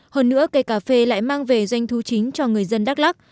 hơn nữa cây cà phê lại mang về doanh thu chính cho người dân đắk lắc